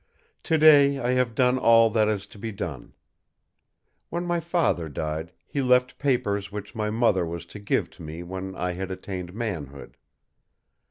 To day I have done all that is to be done. When my father died he left papers which my mother was to give to me when I had attained manhood.